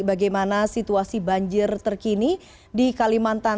bagaimana situasi banjir terkini di kalimantan